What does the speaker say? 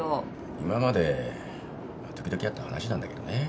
今まで時々あった話なんだけどね。